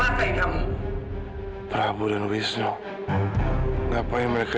n stalin yang sedih harus nyangka nolong